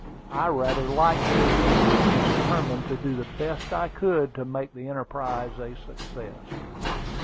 I rather liked his pluck, and determined to do the best I could to make the enterprise a success.